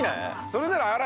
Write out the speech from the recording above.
それなら嵐。